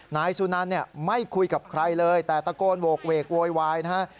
นายสุนันเนี่ยไม่คุยกับใครเลยแต่ตะโกนโหกเวกโวยวายนะฮะ